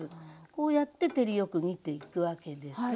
こうやって照りよく見ていくわけです。